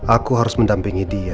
aku harus mendampingi dia